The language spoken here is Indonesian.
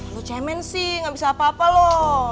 lo cemen sih gak bisa apa apa lo